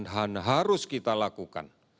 dan harus kita lakukan